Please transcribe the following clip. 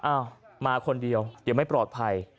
อ้าวมาคนเดียวเดี๋ยวไม่ปลอดภัย